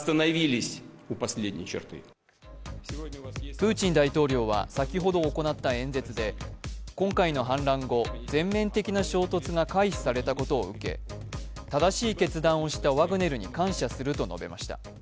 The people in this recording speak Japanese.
プーチン大統領は先ほど行った演説で今回の反乱後、全面的な衝突が回避されたことを受け、正しい決断をしたワグネルに感謝すると述べました。